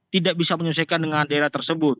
tidak bisa menyesuaikan dengan daerah tersebut